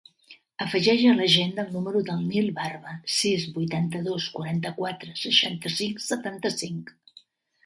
Afegeix a l'agenda el número del Nil Barba: sis, vuitanta-dos, quaranta-quatre, seixanta-cinc, setanta-cinc.